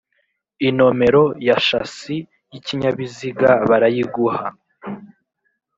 inomero ya shasi y'ikinyabiziga barayiguha